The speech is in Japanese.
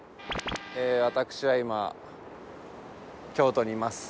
私は今京都にいます。